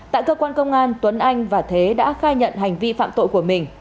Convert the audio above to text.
tại cơ quan công an tuấn anh và thế đã khai nhận hành vi phạm tội của mình